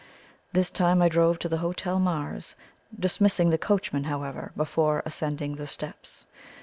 This time I drove to the Hotel Mars, dismissing the coachman, however, before ascending the steps.